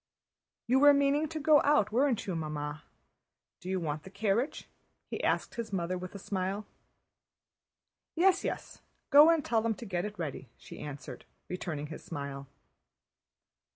"You were meaning to go out, weren't you, Mamma? Do you want the carriage?" he asked his mother with a smile. "Yes, yes, go and tell them to get it ready," she answered, returning his smile.